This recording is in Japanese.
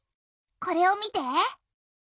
これを見て。